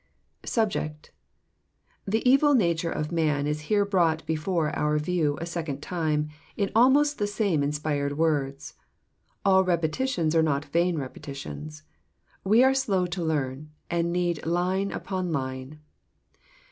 Subject. — the evil nature of man is here brought before our view a second time, in almost the same inspired words. All repetitions are not xxiin repetitions. We are slow to learn, and need Une upon line.